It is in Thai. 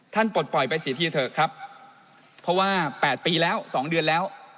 ท่านปลดปล่อยไปสิทธิเถอะครับเพราะว่าแปดปีแล้วสองเดือนแล้ว